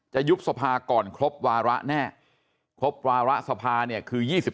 ยุบสภาก่อนครบวาระแน่ครบวาระสภาเนี่ยคือ๒๕